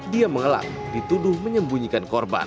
dia mengelam dituduh menyembunyikan korban